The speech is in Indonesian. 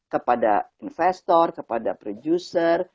kepada investor kepada producer